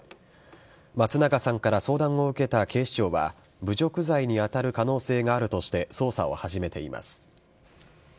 松永さんから相談を受けた警視庁は、侮辱罪にあたる可能性があるとして、捜査を始めています。